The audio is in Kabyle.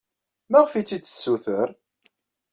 Maɣef ay tt-id-tessuter?